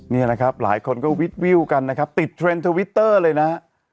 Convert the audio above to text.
นี่นะครับหลายคนก็วิดวิวกันนะครับติดเทรนด์ทวิตเตอร์เลยนะฮะ